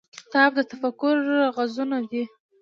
کتاب د تفکر غزونه ده.